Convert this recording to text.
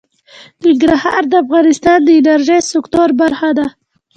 ننګرهار د افغانستان د انرژۍ سکتور برخه ده.